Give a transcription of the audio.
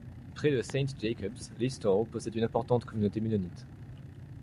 Près de St-Jacobs, Listowel possède une importante communauté mennonite.